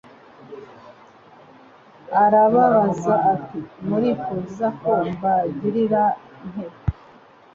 Arababaza ati: «Murifuza ko mbagirira nte?»